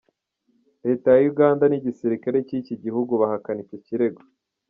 Leta ya Uganda n'igisirikare cy'iki gihugu bahakana icyo kirego.